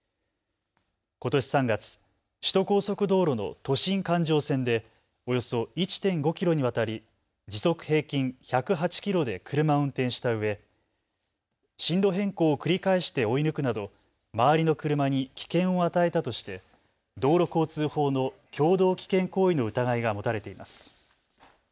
ことし３月、首都高速道路の都心環状線でおよそ１．５キロにわたり時速平均１０８キロで車を運転したうえ進路変更を繰り返して追い抜くなど周りの車に危険を与えたとして道路交通法の共同危険行為の疑いが持たれています。